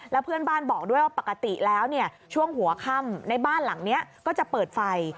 แล้วเพื่อนบ้านบอกด้วยว่าปกติแล้วช่วงหัวค่ำในบ้านหลังนี้ก็จะเปิดไฟ